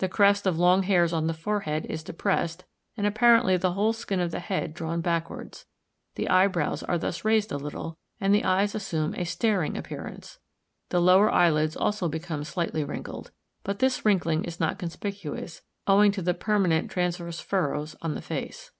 The crest of long hairs on the forehead is depressed, and apparently the whole skin of the head drawn backwards. The eyebrows are thus raised a little, and the eyes assume a staring appearance. The lower eyelids also become slightly wrinkled; but this wrinkling is not conspicuous, owing to the permanent transverse furrows on the face.